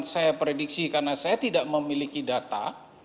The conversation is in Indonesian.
saya prediksi karena saya tidak memiliki data